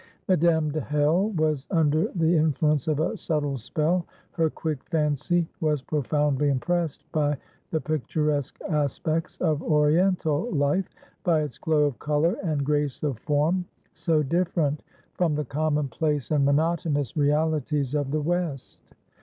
Madame de Hell was under the influence of a subtle spell; her quick fancy was profoundly impressed by the picturesque aspects of Oriental life, by its glow of colour and grace of form, so different from the commonplace and monotonous realities of the West.